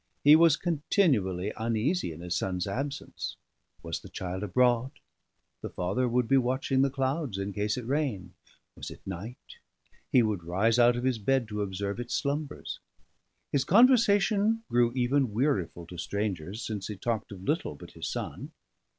He was continually uneasy in his son's absence. Was the child abroad? the father would be watching the clouds in case it rained. Was it night? he would rise out of his bed to observe its slumbers. His conversation grew even wearyful to strangers, since he talked of little but his son.